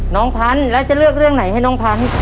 น้องพันธุ์แล้วจะเลือกเรื่องไหนให้น้องพันธุ์